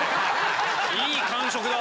いい感触だ！